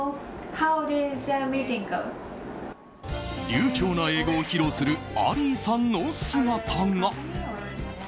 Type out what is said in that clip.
流暢な英語を披露するアリーさんの姿が。